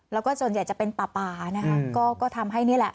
แล้วก็จนอย่างจะเป็นป่านะฮะก็ก็ทำให้นี่แหละ